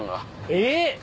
えっ！